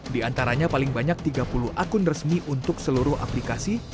di antaranya paling banyak tiga puluh akun resmi untuk seluruh aplikasi